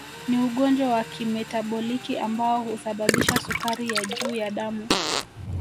Ni ugonjwa wa kimetaboliki ambao husababisha sukari ya juu ya damu